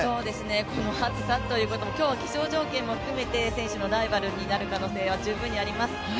この暑さということも今日は気象条件も含めて、選手のライバルになる可能性は十分にあります。